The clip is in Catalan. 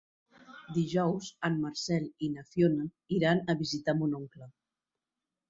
Dijous en Marcel i na Fiona iran a visitar mon oncle.